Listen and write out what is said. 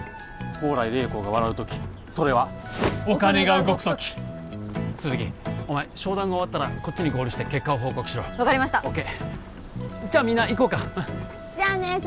宝来麗子が笑う時それはお金が動く時鈴木お前商談が終わったらこっちに合流して結果を報告しろ分かりましたＯＫじゃあみんな行こうかじゃあね